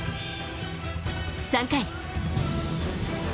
３回。